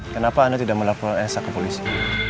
kenapa anda tidak melaporin elsa ke polisi